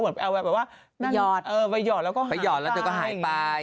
เหมือนแบบว่าไปหยอดแล้วก็หายไป